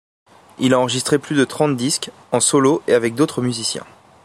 Il a enregistré plus de trente disques, en solo et avec d'autres musiciens.